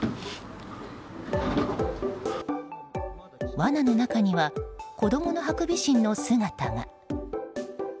わなの中には子供のハクビシンの姿が。